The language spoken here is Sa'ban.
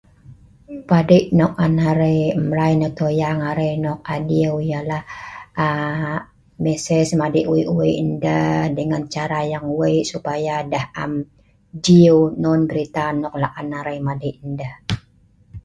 Padei' nok an arai mrai nah toyang arai nok adiu ialah aaa message madei' wei' wei' nah deh dengan cara yang wei' supaya deh am 'jieu non berita nok la'an arai madei ndeh.